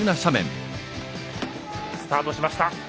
スタートしました。